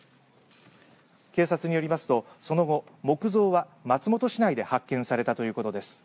警察によりますとその後、木像は松本市内で発見されたということです。